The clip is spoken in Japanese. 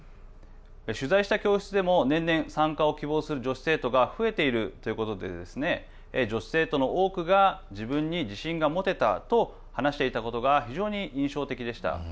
取材した教室でも年々、参加を希望する女子生徒が増えているということで女子生徒の多くが自分に自信が持てたと話していたことが非常に印象的でした。